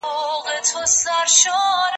زه سړو ته خواړه ورکړي دي